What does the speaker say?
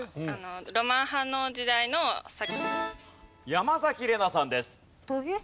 山崎怜奈さんです。